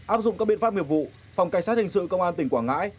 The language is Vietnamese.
áp dụng các biện pháp nghiệp vụ phòng cảnh sát hình sự công an tỉnh quảng ngãi